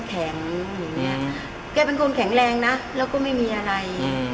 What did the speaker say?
อย่างนี้แกเป็นคนแข็งแรงนะแล้วก็ไม่มีอะไร